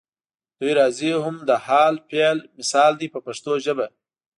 دوی راځي هم د حال فعل مثال دی په پښتو ژبه.